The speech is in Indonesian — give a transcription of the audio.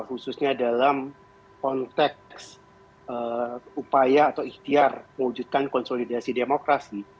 khususnya dalam konteks upaya atau ikhtiar mewujudkan konsolidasi demokrasi